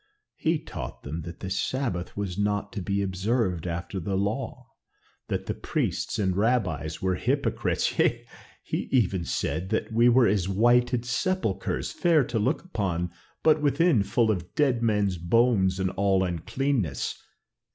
He taught them that the Sabbath was not to be observed after the law, that the priests and rabbis were hypocrites; yea, he even said that we were as whited sepulchres, fair to look upon, but within full of dead men's bones and all uncleanness.